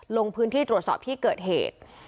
ลงพื้นที่ตรวจสอบที่เกิดเหตุ